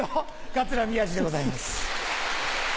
桂宮治でございます。